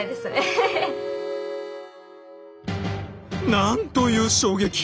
なんという衝撃！